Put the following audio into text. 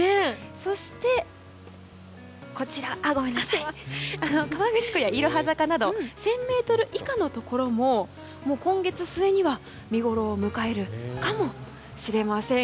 そして、河口湖やいろは坂など１０００ｍ以下のところも今月末には見ごろを迎えるかもしれません。